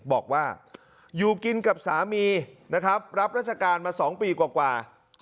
บอกว่าอยู่กินกับสามีนะครับรับราชการมา๒ปีกว่า